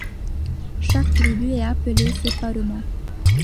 Chaque tribu est appelée séparément.